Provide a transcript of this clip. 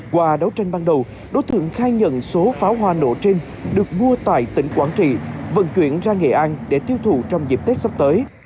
qua đấu tranh ban đầu đối tượng khai nhận số pháo hoa nổ trên được mua tại tỉnh quảng trị vận chuyển ra nghệ an để tiêu thụ trong dịp tết sắp tới